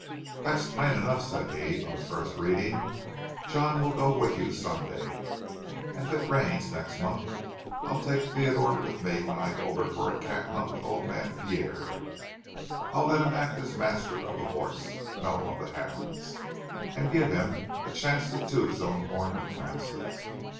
"That's plain enough," said he, on the first reading. "John will go with you Sunday, and if it rains next month, I'll take Theodore with me when I go over for a cat hunt with old man Pierre. I'll let him act as master of the horse,—no, of the hounds,—and give him a chance to toot his own horn with Frances.